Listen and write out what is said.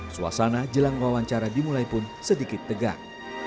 suasana jelang wawancara dimulai pun sedikit tegak